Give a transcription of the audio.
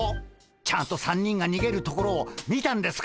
ちゃんと３人がにげるところを見たんですから。